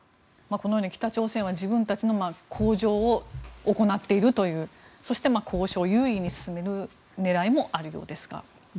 このように北朝鮮は自分たちの向上を行っているというそして、交渉を優位に進める狙いもあるようですが。